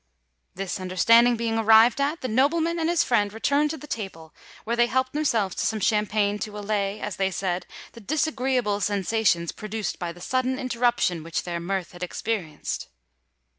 This understanding being arrived at, the nobleman and his friend returned to the table, where they helped themselves to some champagne to allay, as they said, the disagreeable sensations produced by the sudden interruption which their mirth had experienced.